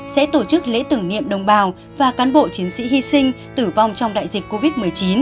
sẽ tổ chức lễ tưởng niệm đồng bào và cán bộ chiến sĩ hy sinh tử vong trong đại dịch covid một mươi chín